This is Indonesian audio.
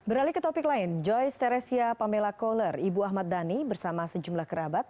beralih ke topik lain joyce teresia pamela kohler ibu ahmad dhani bersama sejumlah kerabat